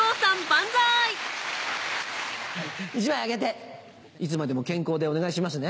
１枚あげていつまでも健康でお願いしますね。